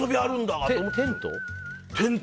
テント？